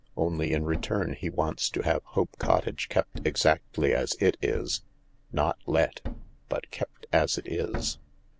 Only in return he wants to have Hope Cottage kept exactly as it is— not let— but kept as it is."